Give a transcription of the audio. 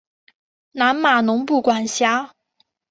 南马农布管辖。